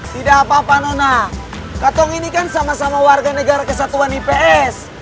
tidak apa apa nona katong ini kan sama sama warga negara kesatuan ips